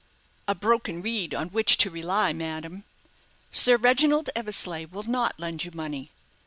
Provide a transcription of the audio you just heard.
"A broken reed on which to rely, madame. Sir Reginald Eversleigh will not lend you money.